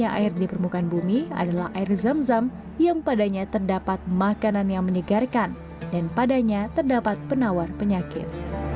karena air di permukaan bumi adalah air zam zam yang padanya terdapat makanan yang menyegarkan dan padanya terdapat penawar penyakit